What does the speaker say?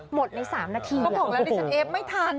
หมดใน๓นาทีเขาบอกแล้วดิฉันเอฟไม่ทัน